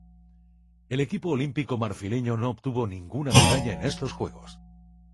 El equipo olímpico marfileño no obtuvo ninguna medalla en estos Juegos.